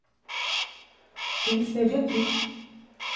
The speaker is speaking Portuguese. Ele esteve aqui?